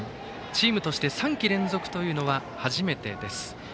チームとして３季連続というのは初めてです。